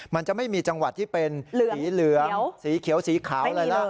มันจะไม่มีจังหวัดที่เป็นสีเหลือสีเหลือสีเขียวสีขาว